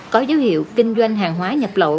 có dấu hiệu kinh doanh hàng hóa nhập lậu